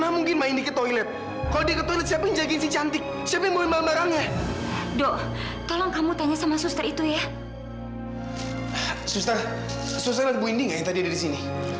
apakah ketidakbersamaan kita akan membuat kita seperti ini